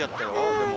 でも。